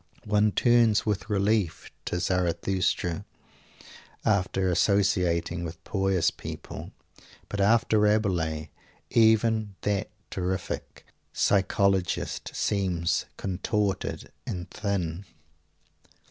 One turns with relief to Zarathustra after associating with pious people. But, after Rabelais, even that terrific psychologist seems contorted and _thin.